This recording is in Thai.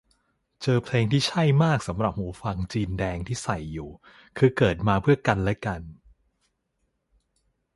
เจอเพลงที่ใช่มากสำหรับหูฟังจีนแดงที่ใส่อยู่ คือเกิดมาเพื่อกันและกัน